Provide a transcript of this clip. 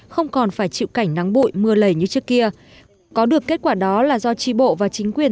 không còn phải chịu cảnh nắng bụi mưa lầy như trước kia có được kết quả đó là do tri bộ và chính quyền